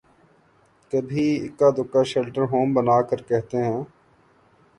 کبھی اکا دکا شیلٹر ہوم بنا کر کہتے ہیں۔